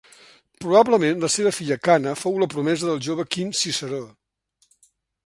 Probablement la seva filla Cana fou la promesa del jove Quint Ciceró.